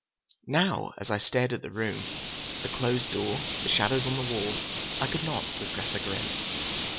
Now, as I stared at the room, the closed door, the shadows on the wall, I could not repress a grin.